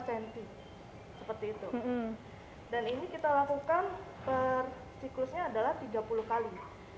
dan ini kita lakukan per siklusnya adalah tiga puluh kali